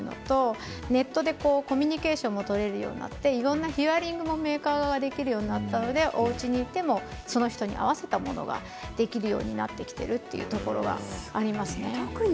ネットでコミュニケーションを取れるようになっていろんなヒアリングもメーカーができるようになったのでおうちでもその人に合わせたものができるようになっているというところがありますね。